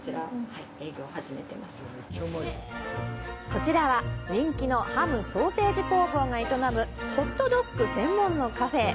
こちらは、人気のハム・ソーセージ工房が営むホットドッグ専門のカフェ。